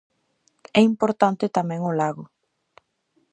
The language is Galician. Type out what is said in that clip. É importante tamén o lago.